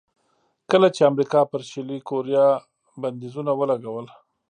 کله چې امریکا پر شلي کوریا بندیزونه ولګول.